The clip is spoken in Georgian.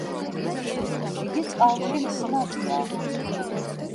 იგი წყალში ხსნადია.